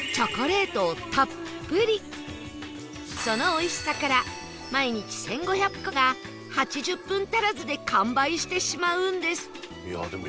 その美味しさから毎日１５００個が８０分足らずで完売してしまうんです